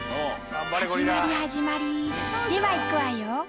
始まり始まりでは行くわよ。